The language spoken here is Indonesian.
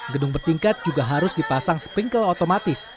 gedung bertingkat juga harus dipasang sprinkle otomatis